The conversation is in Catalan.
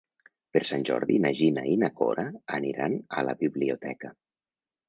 Per Sant Jordi na Gina i na Cora aniran a la biblioteca.